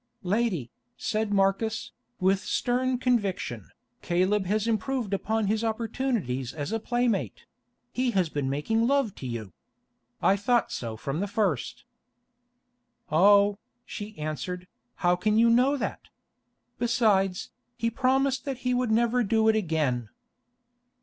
"Lady," said Marcus, with stern conviction, "Caleb has improved upon his opportunities as a playmate; he has been making love to you. I thought so from the first." "Oh," she answered, "how can you know that? Besides, he promised that he would never do it again."